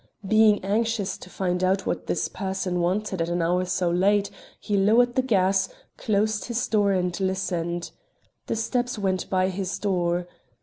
Being anxious to find out what this person wanted at an hour so late, he lowered the gas, closed his door and listened. The steps went by his door.